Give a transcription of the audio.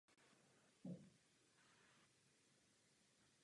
Byl rytířem Řádu zlatého rouna a vlastnil rozsáhlé statky v Čechách.